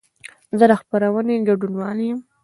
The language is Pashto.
زه د خپرونې ګډونوال یم.